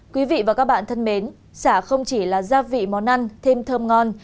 quý vị và các bạn thân mến xả không chỉ là gia vị món ăn thêm thơm ngon